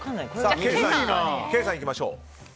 ケイさん、いきましょう。